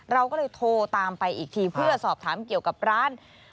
เราก็เลยโทรตามไปอีกทีเพื่อสอบถามเกี่ยวกับร้าน